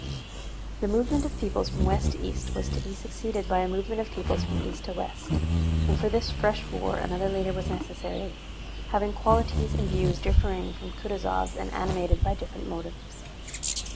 The movement of peoples from west to east was to be succeeded by a movement of peoples from east to west, and for this fresh war another leader was necessary, having qualities and views differing from Kutúzov's and animated by different motives.